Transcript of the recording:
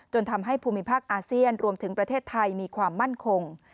ทำให้ภูมิภาคอาเซียนรวมถึงประเทศไทยมีความมั่นคง